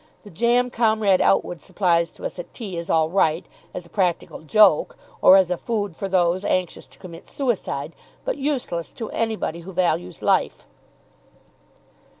The jam Comrade Outwood supplies to us at tea is all right as a practical joke or as a food for those anxious to commit suicide, but useless to anybody who values life."